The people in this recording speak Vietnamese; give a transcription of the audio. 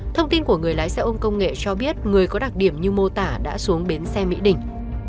thông tin của người lái xe ôm công nghệ cho biết người có đặc điểm như mô tả đã xuống bến xe mỹ đình